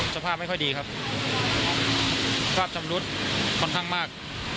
สถานภาพวางเป็นไหนครับ